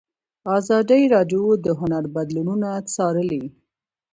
ازادي راډیو د هنر بدلونونه څارلي.